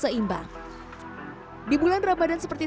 sekarang ini bisa menyadari